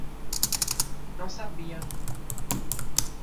Não sabia.